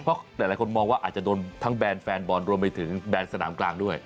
เพราะหลายคนมองว่าอาจจะโดนทั้งแบรนด์แฟนบอลรวมไปถึงแบรนด์สนามกลางด้วย